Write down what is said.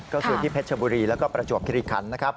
ก็คือที่เพชรชบุรีแล้วก็ประจวบคิริคันนะครับ